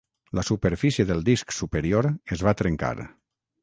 La superfície del disc superior es va trencar.